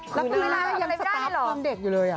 ก็ยันสตาร์ฟความเด็กอยู่เลย